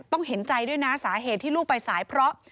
เห็นใจด้วยนะสาเหตุที่ลูกไปสายเพราะ